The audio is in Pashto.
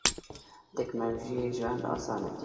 تکنالوژي ژوند آسانه کوي.